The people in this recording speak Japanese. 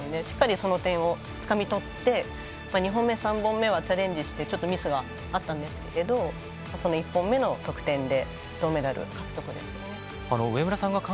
しっかりその点をつかみとって２本目３本目はチャレンジしてちょっとミスがあったんですけどその１本目の得点で銅メダルを獲得ですよね。